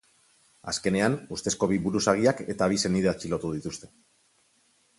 Azkenean, ustezko bi buruzagiak eta bi senide atxilotu dituzte.